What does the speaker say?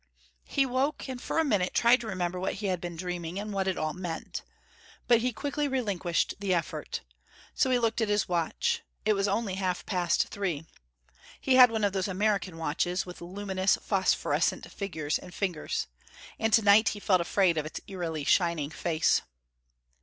He woke, and for a minute tried to remember what he had been dreaming, and what it all meant. But he quickly relinquished the effort. So he looked at his watch: it was only half past three. He had one of those American watches with luminous, phosphorescent figures and fingers. And tonight he felt afraid of its eerily shining face.